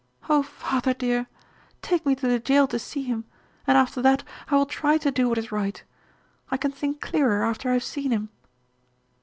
"Oh, father, dear! Take me to the jail to see him, and after that I will try to do what is right. I can think clearer after I have seen him."